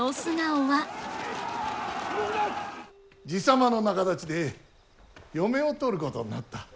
爺様の仲立ちで嫁を取ることになった。